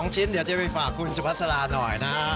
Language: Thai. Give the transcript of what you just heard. ๒ชิ้นเดี๋ยวจะไปฝากคุณสุภาษาลาหน่อยนะฮะ